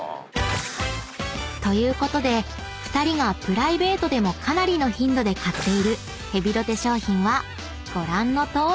［ということで２人がプライベートでもかなりの頻度で買っているヘビロテ商品はご覧のとおり］